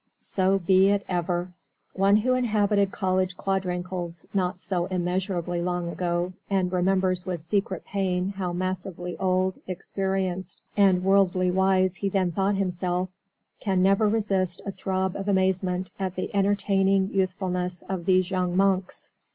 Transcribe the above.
So be it ever! One who inhabited college quadrangles not so immeasurably long ago, and remembers with secret pain how massively old, experienced, and worldly wise he then thought himself, can never resist a throb of amazement at the entertaining youthfulness of these young monks.